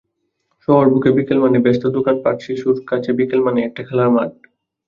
শহর বুকে বিকেল মানে ব্যস্ত দোকানপাটশিশুর কাছে বিকেল মানেই একটা খেলার মাঠ।